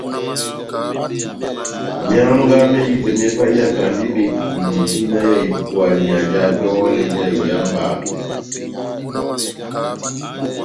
Mianga mehitɛ me paiyakandi bepuli tina ya ipuania ja dolɛ já iyamba